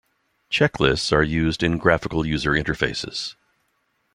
Checklists are used in graphical user interfaces.